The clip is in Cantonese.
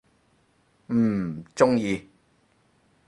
嗯，中意！